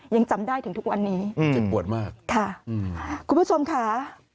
ยังจำได้ถึงทุกวันนี้ค่ะคุณผู้ชมค่ะจะปวดมาก